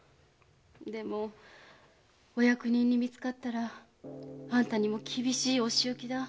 でもお役人に見つかったらあんたにも厳しいお仕置きだ。